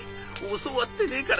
教わってねえから。